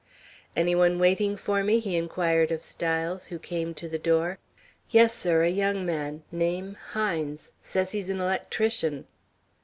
"Any one waiting for me?" he inquired of Styles, who came to the door. "Yes, sir; a young man; name, Hines. Says he's an electrician."